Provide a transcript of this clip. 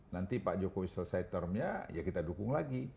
nanti pak jokowi selesai termnya ya kita dukung lagi